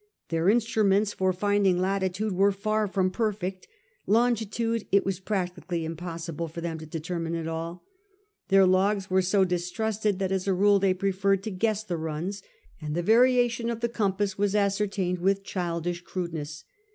Their instruments for finding latitude were far from perfect ; longitude it was practically impossible for them to determine at all ; their logs were so distrusted that as a rule they preferred to guess the runs; and the variation of the compass was ascertained with childish crudeness.